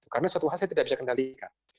karena satu hal saya tidak bisa kendalikan